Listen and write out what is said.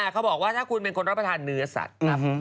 เขาบอกว่าถ้าคุณเป็นคนรับประทานเนื้อสัตว์ครับ